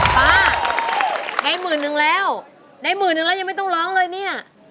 ป้าได้หมื่นนึงแล้วได้หมื่นนึงแล้วยังไม่ต้องร้องเลยเนี่ย